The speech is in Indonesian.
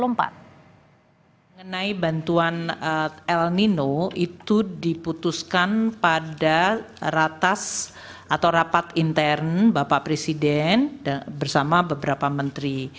mengenai bantuan el nino itu diputuskan pada ratas atau rapat intern bapak presiden bersama beberapa menteri